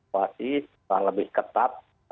pasti lebih ketat